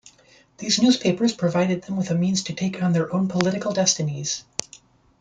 These newspapers provided them with a means to take on their own political destinies.